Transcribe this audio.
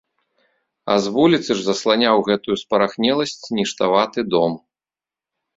А з вуліцы ж засланяў гэтую спарахнеласць ніштаваты дом.